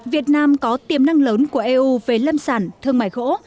việt nam có tiềm năng lớn của eu về lâm sản thương mại gỗ